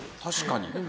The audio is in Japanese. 確かに。